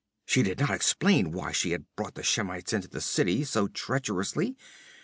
She did not explain why she had brought the Shemites into the city so treacherously.